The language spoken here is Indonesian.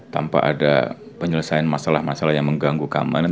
tanpa ada penyelesaian masalah masalah yang mengganggu keamanan